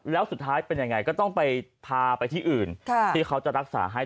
และสุดท้ายต้องไปพาไปที่อื่นที่เขาจะรักษาให้